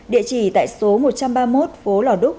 địa chỉ tại số một trăm ba mươi một phố lò đúc